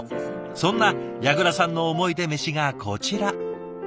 そんな矢倉さんのおもいでメシがこちら。